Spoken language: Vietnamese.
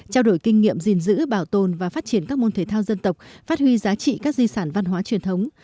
trao đổi kinh nghiệm gìn giữ bảo tồn và phát triển các môn thể thao dân tộc phát huy giá trị các di sản văn hóa truyền thống